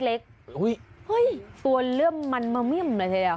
เห้ยตัวเริ่มมันมาเมี่ยมเลยเจ้า